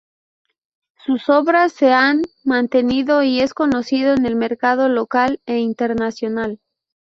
Sus obras se han mantenido y es conocido en el mercado local e internacional.